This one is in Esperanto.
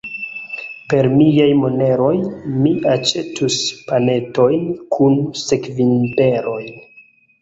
Per miaj moneroj mi aĉetus panetojn kun sekvinberoj.